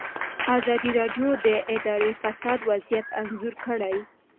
ازادي راډیو د اداري فساد وضعیت انځور کړی.